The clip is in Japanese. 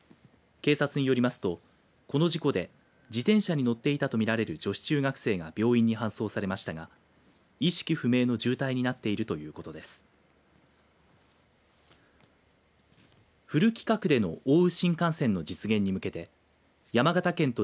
警察によりますと、この事故で自転車に乗っていたとみられる女子中学生が病院に搬送されましたが意識不明の重体になっているということです。